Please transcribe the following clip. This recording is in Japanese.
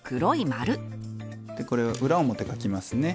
これを裏表かきますね。